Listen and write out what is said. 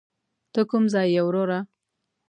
ته کوم ځای یې وروره.